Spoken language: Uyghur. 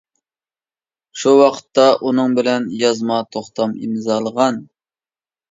شۇ ۋاقىتتا ئۇنىڭ بىلەن يازما توختام ئىمزالىغان.